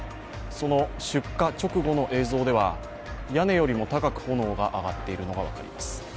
その出荷直後の映像では屋根よりも高く炎が上がっているのがうかがえます。